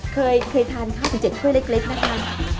เคยทานข้าวสิบเจ็ดข้วยเล็กนะคะ